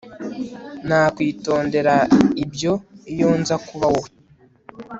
nakwitondera ibyo iyo nza kuba wowe